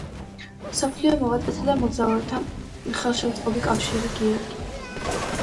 მსოფლიო მიღწევათა და მოგზაურობათა ხელშემწყობი კავშირი „გიორგი“.